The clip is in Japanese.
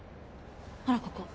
ほらここ！